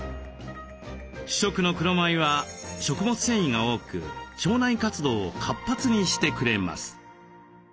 主食の黒米は食物繊維が多く腸内活動を活発にしてくれます。